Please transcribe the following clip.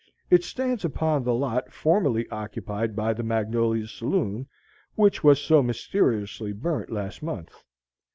It stands upon the lot formerly occupied by the Magnolia Saloon, which was so mysteriously burnt last month.